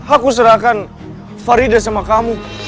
aku serahkan farida sama kamu